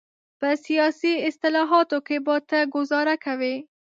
په سیاسي اصطلاحاتو کې به ته ګوزاره کوې.